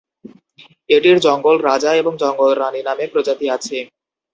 এটির জঙ্গল রাজা এবং জঙ্গল রানী নামে প্রজাতি আছে।